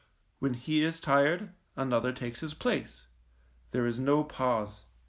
When he is 94 THE MINE tired, another takes his place ; there is no pause.